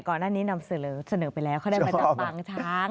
ก่อนหน้านี้นำเสริมเสนอไปแล้วเค้าได้เป็นตัวต่างช้าง